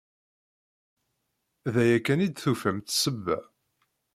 D aya kan i d-tufamt d ssebba?